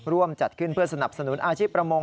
ร่วมจัดขึ้นเพื่อสนับสนุนอาชีพประมง